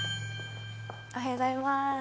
おはようございます。